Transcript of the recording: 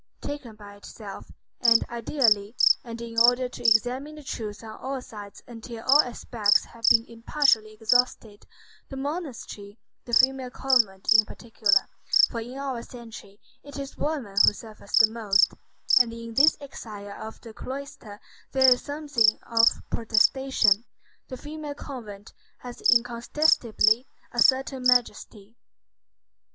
Taken by itself, and ideally, and in order to examine the truth on all sides until all aspects have been impartially exhausted, the monastery, the female convent in particular,—for in our century it is woman who suffers the most, and in this exile of the cloister there is something of protestation,—the female convent has incontestably a certain majesty.